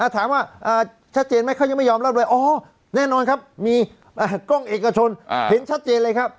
ถามว่าชัดเจนไหมเขายังไม่ยอมรับด้วยอ๋อแน่นอนครับมีกล้องเอกชนเห็นชัดเจนเลยครับ